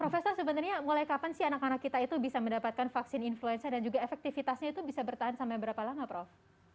profesor sebenarnya mulai kapan sih anak anak kita itu bisa mendapatkan vaksin influenza dan juga efektivitasnya itu bisa bertahan sampai berapa lama prof